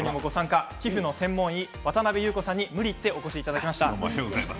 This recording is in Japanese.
皮膚の専門医渡邉裕子さんに無理言ってお越しいただきました。